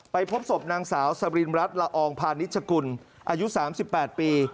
พบศพนางสาวสรินรัฐละอองพาณิชกุลอายุ๓๘ปี